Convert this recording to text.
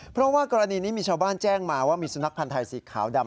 เพราะว่ากรณีนี้มีชาวบ้านแจ้งมาว่ามีสุนัขพันธ์ไทยสีขาวดำ